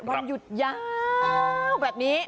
วันหยุดยาวแบบนี้